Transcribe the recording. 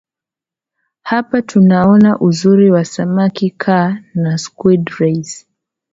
Hapa utaona uzuri wa samaki kaa na squid rays